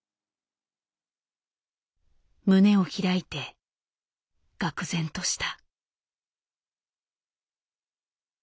胸を開いてがく然とした。